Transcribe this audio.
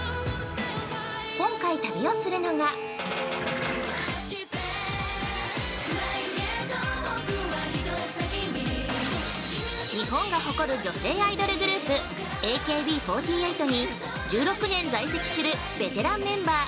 今回、旅をするのが日本が誇る女性アイドルグループＡＫＢ４８に１６年在籍するベテランメンバー